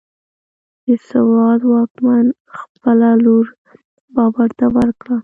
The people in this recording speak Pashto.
د سوات واکمن خپله لور بابر ته ورکړه،